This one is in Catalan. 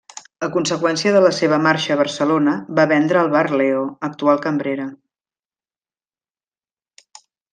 A conseqüència de la seva marxa a Barcelona, va vendre el bar Leo, actual cambrera.